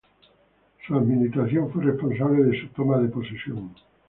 Su administración fue responsable de su toma de posesión.